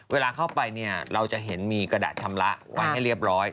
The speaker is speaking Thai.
เวลาเข้าไปเนี่ยเราจะเห็นมีกระดาษชำระไว้ให้เรียบร้อย